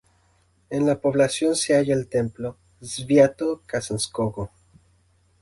En la población se halla el templo "Sviato-Kazanskogo".